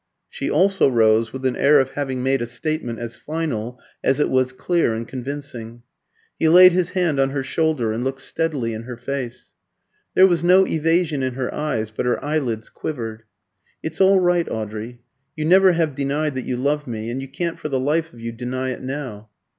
She also rose, with an air of having made a statement as final as it was clear and convincing. He laid his hand on her shoulder and looked steadily in her face. There was no evasion in her eyes, but her eyelids quivered. "It's all right, Audrey; you never have denied that you love me, and you can't for the life of you deny it now."